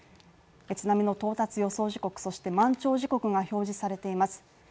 津波の到達予想時刻そして満潮時刻が表示されています。